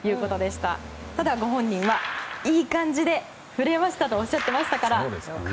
ただ、ご本人はいい感じで振れましたとおっしゃってましたから。